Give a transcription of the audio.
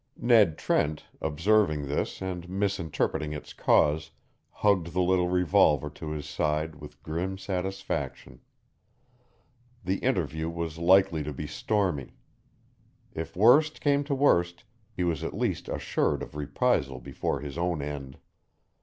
Ned Trent, observing this and misinterpreting its cause, hugged the little revolver to his side with grim satisfaction. The interview was likely to be stormy. If worst came to worst, he was at least assured of reprisal before his own end.